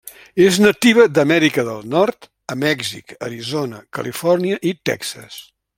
És nativa d'Amèrica del Nord a Mèxic, Arizona, Califòrnia i Texas.